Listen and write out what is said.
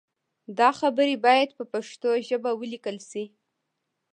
دا خبرې باید په پښتو ژبه ولیکل شي.